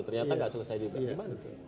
ternyata nggak selesai juga